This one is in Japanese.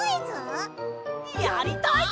やりたい！